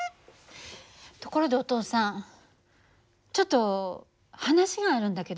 ところでお父さんちょっと話があるんだけど。